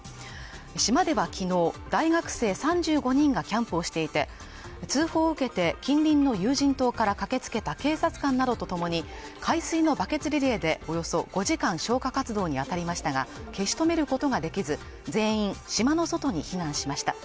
島では昨日、大学生３５人がキャンプをしていて、通報を受けて近隣の有人島から駆け付けた警察官など共に海水のバケツリレーでおよそ５時間消火活動にあたりましたが、消し止めることができず、全員島の外に避難しました。